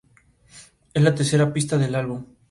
Fue nombrado compañero de la Orden del Baño.